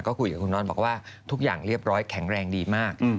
ก็คุยกับคุณนอทบอกว่าทุกอย่างเรียบร้อยแข็งแรงดีมาก